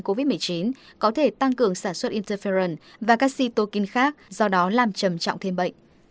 covid một mươi chín có thể tăng cường sản xuất interferon và các xy tô kin khác do đó làm trầm trọng thêm bệnh